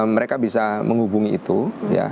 mereka bisa menghubungi itu ya